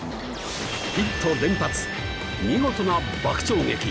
ヒット連発見事な爆釣劇！